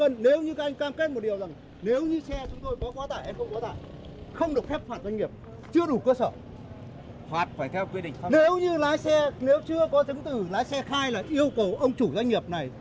nếu như lái xe nếu chưa có chứng tử lái xe khai là yêu cầu ông chủ doanh nghiệp này